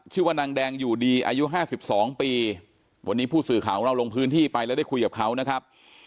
ชื่อว่านางแดงอยู่ดีอายุ๕๒ปีวันนี้ผู้สื่อข่าวของเราลงพื้นที่ไปแล้วได้คุยกับเขานะครับ